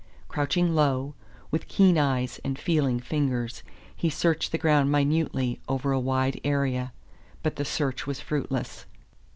Crouching low, with keen eyes and feeling fingers, he searched the ground minutely over a wide area; but the search was fruitless.